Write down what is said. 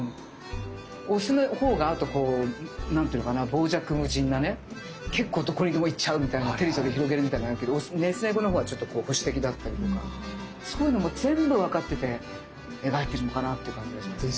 オスのほうがあとこう何て言うのかな傍若無人なね結構どこにでも行っちゃうみたいなテリトリー広げるみたいになるけどメス猫のほうはちょっと保守的だったりとかそういうのも全部分かってて描いてるのかなっていう感じがします。